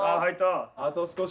あと少し。